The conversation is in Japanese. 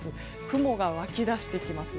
雲が湧きだしてきます。